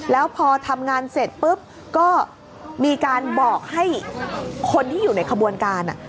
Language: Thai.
แล้วพอทำงานเสร็จปุ๊บก็มีการบอกให้คนที่อยู่ในขบวนการ